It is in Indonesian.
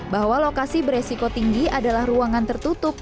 bahwa lokasi beresiko tinggi adalah ruangan tertutup